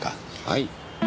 はい。